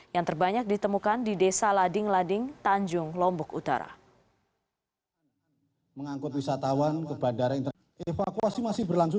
yang terbanyak ditemukan di desa lading lading tanjung lombok utara